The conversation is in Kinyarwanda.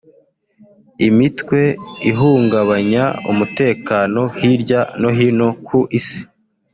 imitwe ihungabanya umutekano hirya no hino ku isi